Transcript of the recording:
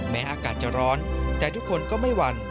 อากาศจะร้อนแต่ทุกคนก็ไม่หวั่น